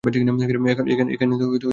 এখানে শয়তানির চর্চা হয়।